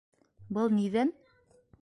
Был ниҙән?